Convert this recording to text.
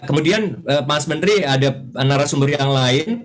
kemudian mas menteri ada narasumber yang lain